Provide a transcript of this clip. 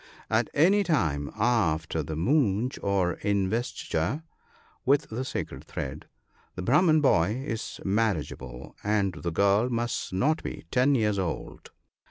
At any time after the " Moonj," or investiture with the sacred thread, the Brahman boy is marriageable, and the girl must not be ten years old.